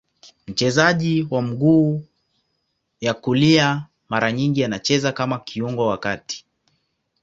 Mchezaji wa mguu ya kulia, mara nyingi anacheza kama kiungo wa kati.